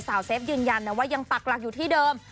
เซฟยืนยันนะว่ายังปักหลักอยู่ที่เดิม